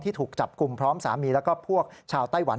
ถูกจับกลุ่มพร้อมสามีแล้วก็พวกชาวไต้หวัน